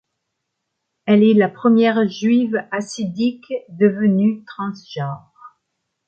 Elle est la première juive hassidique devenue transgenre.